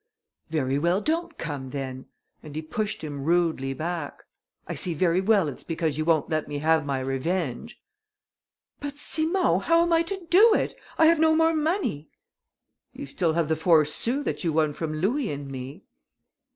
"Very well, don't come, then;" and he pushed him rudely back: "I see very well it's because you won't let me have my revenge." "But, Simon, how am I to do it? I have no more money." "You have still the four sous that you won from Louis and me."